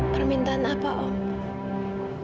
permintaan apa om